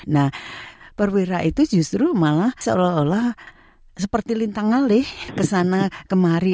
nah perwira itu justru malah seolah olah seperti lintang ngalih kesana kemari